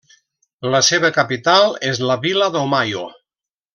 La seva capital és la Vila do Maio.